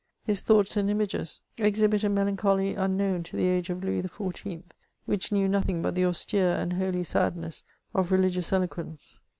His thoughts and images exhibit a melancholy unknown to the age of Louis XIV., which knew nothing but the austere and holy sadness of religious eloquence.